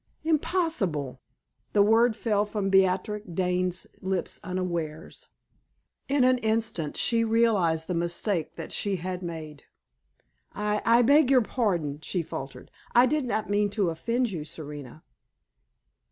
"Impossible!" The word fell from Beatrix Dane's lips unawares. In an instant she realized the mistake that she had made. "I I beg your pardon!" she faltered; "I did not mean to offend you, Serena!"